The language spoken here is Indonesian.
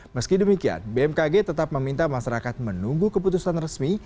meski demikian bmkg tetap meminta masyarakat menunggu keputusan resmi